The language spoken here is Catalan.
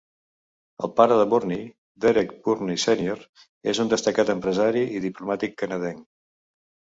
El pare de Burney, Derek Burney sènior és un destacat empresari i diplomàtic canadenc.